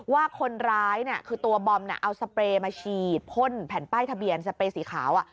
ว่าคนร้ายคือตัวบอมเอาสเปรย์มาฉีดพ่นแผ่นป้ายทะเบียนสเปรย์สีขาว